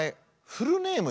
フルネーム？